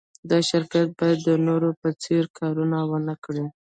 دا شرکت باید د نورو په څېر کارونه و نهکړي